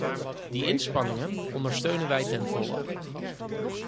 Die inspanningen ondersteunen wij ten volle.